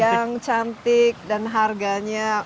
yang cantik dan harganya